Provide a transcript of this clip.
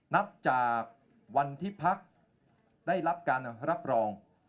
นับจากวันที่พักได้รับการรับรอง